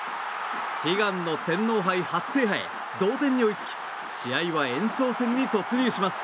悲願の天皇杯初制覇へ同点に追いつき試合は延長戦に突入します。